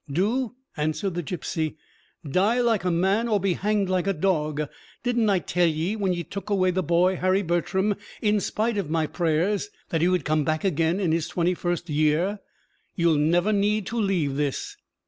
"Do?" answered the gipsy. "Die like a man, or be hanged like a dog. Didn't I tell ye, when ye took away the boy Harry Bertram, in spite of my prayers, that he would come back again in his twenty first year? You'll never need to leave this."